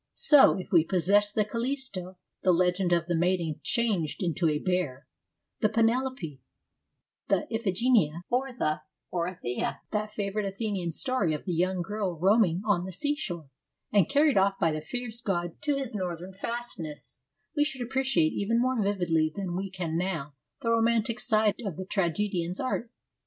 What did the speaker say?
So, if we possessed the Callisto, the legend of the maiden changed into a bear, the Penelope, the Iphigenia, or the Oreithyia, that favourite Athenian story of the young girl roaming ATHENS IN THE FIFTH CENTURY 69 on the sea shore and carried off by the fierce god to his northern fastness, we should appreciate even more vividly than we can now the romantic side of the tragedian's art.